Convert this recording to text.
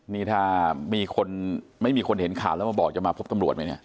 นี่ถ้ามีคนไม่มีคนเห็นข่าวแล้วมาบอกจะมาพบตำรวจไหมเนี่ย